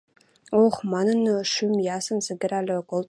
– О-ох! – манын, шӱм ясын сӹгӹрӓл колтыш дӓ тӹшӓкенок вален шӹнзӹ.